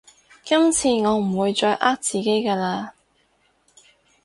今次我唔會再呃自己㗎喇